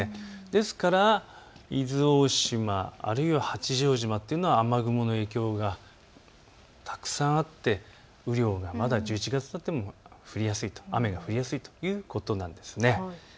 ですから伊豆大島、あるいは八丈島というのは雨雲の影響がたくさんあって雨量がまだ１１月になっても雨が降りやすいということなんです。